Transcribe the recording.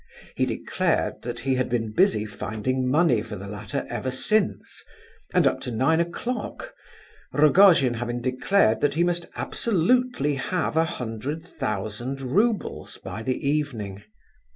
He declared that he had been busy finding money for the latter ever since, and up to nine o'clock, Rogojin having declared that he must absolutely have a hundred thousand roubles by the evening.